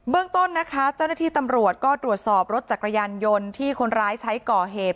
ต้นนะคะเจ้าหน้าที่ตำรวจก็ตรวจสอบรถจักรยานยนต์ที่คนร้ายใช้ก่อเหตุ